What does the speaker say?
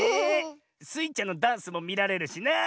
スイちゃんのダンスもみられるしなあ。